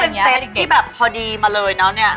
เพราะว่าเป็นเซ็ทที่แบบพอดีมาเลยเนอะเนี่ย